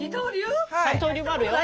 三刀流もあるよ。